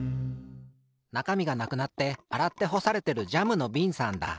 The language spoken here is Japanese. なかみがなくなってあらってほされてるジャムのびんさんだ。